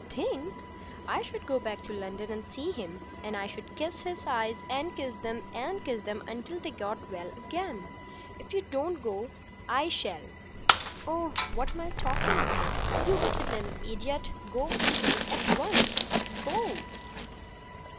"Think! I should go back to London and see him and I should kiss his eyes and kiss them and kiss them until they got well again! If you don't go I shall. Oh, what am I talking about? You wicked little idiot! Go to him at once. Go!"